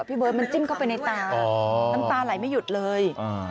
พี่เบิร์ตมันจิ้มเข้าไปในตาน้ำตาไหลไม่หยุดเลย